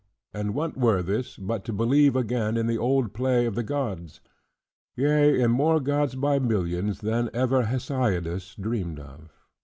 And what were this, but to believe again in the old play of the gods? Yea in more gods by millions, than ever Hesiodus dreamed of.